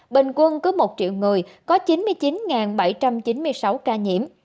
bình quân cứ một triệu người có chín mươi chín bảy trăm chín mươi sáu ca nhiễm